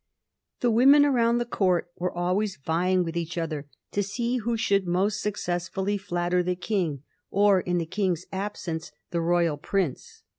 The women around the Court were always vying with each other to see who should most successfully flatter the King, or, in the King's ab sence, the Royal Prince.